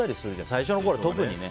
最初のころは特にね。